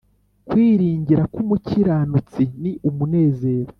kwiringira k’umukiranutsi ni umunezero,